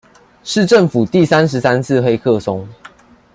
是政府第三十三次黑客松